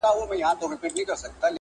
o د بل په اوږو مياشت گوري!